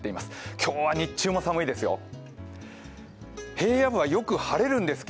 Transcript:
今日は日中も寒いですよ。